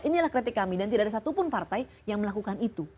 inilah kritik kami dan tidak ada satupun partai yang melakukan itu